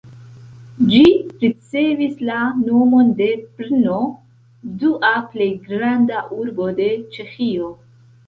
Ĝi ricevis la nomon de Brno, dua plej granda urbo de Ĉeĥio.